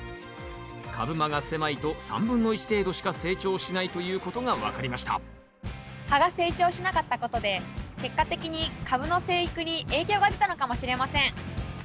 株間が狭いと３分の１程度しか成長しないということが分かりました葉が成長しなかったことで結果的にカブの生育に影響が出たのかもしれません。